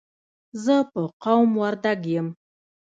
زه په قوم وردګ یم.